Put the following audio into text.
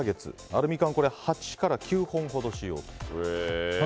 アルミ缶を８から９本ほど使用と。